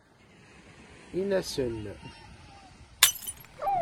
In-asen